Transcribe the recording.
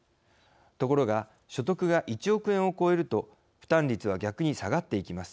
ところが所得が１億円を超えると負担率は逆に下がっていきます。